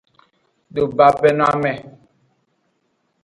Dobabenoame.